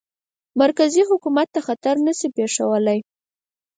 مرکزي حکومت ته خطر نه شي پېښولای.